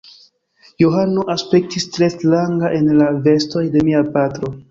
Johano aspektis tre stranga en la vestoj de mia patro.